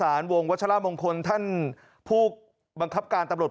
วงวัชละมงคลท่านผู้บังคับการตำรวจ